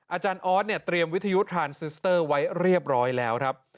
อาจารย์ออสเนี่ยเตรียมวิทยุทรานซิสเตอร์ไว้เรียบร้อยแล้วครับ